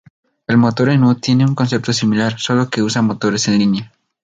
El motor en U tiene un concepto similar, solo que usa motores en línea.